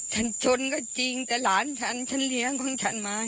ชนก็จริงแต่หลานฉันฉันเลี้ยงของฉันมา